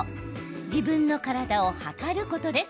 自分の体を測ることです。